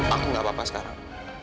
aku gak apa apa sekarang